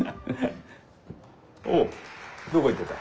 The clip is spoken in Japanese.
おうどこ行ってた？